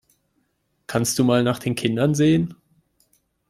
Kannst du mal nach den Kindern sehen?